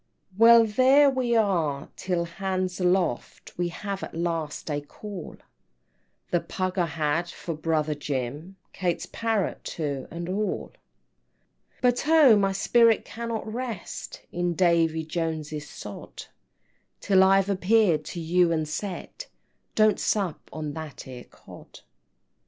"Well, there we are till 'hands aloft,' We have at last a call; The pug I had for brother Jim, Kate's parrot too, and all." IX. "But oh, my spirit cannot rest In Davy Joneses sod, Till I've appeared to you and said Don't sup on that 'ere Cod!"